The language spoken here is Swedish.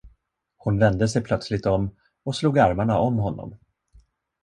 Hon vände sig plötsligt om och slog armarna om honom.